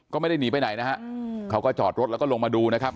ก็ไม่ได้หนีไปไหนนะฮะเขาก็จอดรถแล้วก็ลงมาดูนะครับ